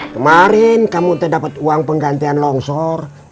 kemarin kamu dapat uang penggantian longsor